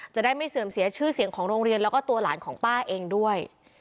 จะได้ไม่เสื่อมเสียชื่อเสียงของโรงเรียนแล้วก็ตัวหลานของป้าเองด้วย